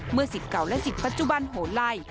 เมื่อสิทธิ์เก่าและสิทธิ์ปัจจุบันโหไล่